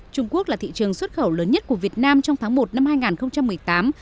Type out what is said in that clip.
trung quốc là thị trường xuất khẩu lớn nhất của việt nam trong tháng một năm hai nghìn một mươi tám